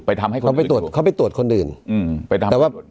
ทำให้เขาไปตรวจเขาไปตรวจคนอื่นอืมไปทำแต่ว่า